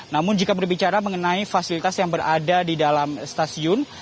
namun jika berbicara mengenai fasilitas yang berada di dalam stasiun